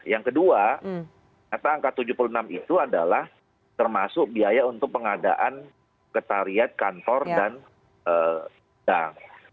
yang kedua ternyata angka tujuh puluh enam itu adalah termasuk biaya untuk pengadaan ketariat kantor dan gang